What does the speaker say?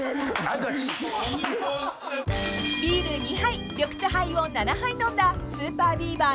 ［ビール２杯緑茶ハイを７杯飲んだＳＵＰＥＲＢＥＡＶＥＲ